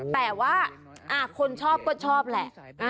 แต่ว่าคนชอบก็ชอบแหละ